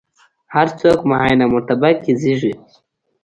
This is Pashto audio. هر څوک معینه مرتبه کې زېږي.